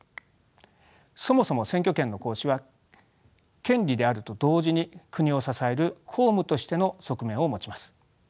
そもそも選挙権の行使は権利であると同時に国を支える公務としての側面を持ちます。